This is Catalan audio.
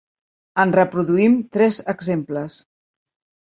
En reproduïm tres exemples.